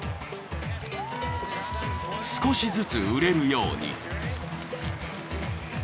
［少しずつ売れるように］